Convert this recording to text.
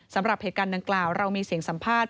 สำหรับเหตุการณ์ดังกล่าวเรามีเสียงสัมภาษณ์